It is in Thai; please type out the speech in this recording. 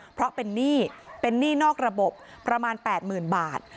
เพราะเป็นหนี้เป็นหนี้นอกระบบประมาณ๘๐๐๐บาท